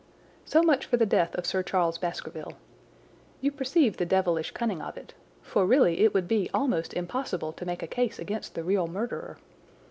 "So much for the death of Sir Charles Baskerville. You perceive the devilish cunning of it, for really it would be almost impossible to make a case against the real murderer.